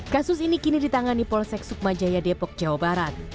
kasus ini kini ditangani polsek sukma jaya depok jawa barat